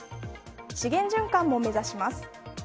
資源循環も目指します。